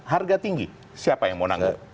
harga tinggi siapa yang mau nanggung